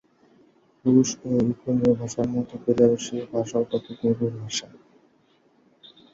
রুশ ও ইউক্রেনীয় ভাষার মত বেলারুশীয় ভাষাও টপিক-নির্ভর ভাষা।